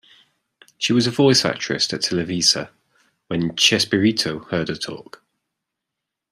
She was a voice actress at Televisa, when Chespirito heard her talk.